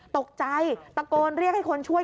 ตกใจตะโกนเรียกให้คนช่วย